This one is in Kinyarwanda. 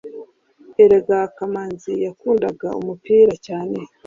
erega Kamanzi yakundaga umupira cyane